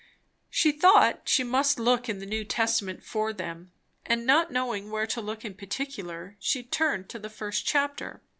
She thought she must look in the New Testament for them; and not knowing where to look in particular, she turned to the first chapter.